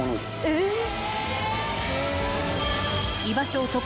えっ！